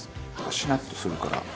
しなっとするから。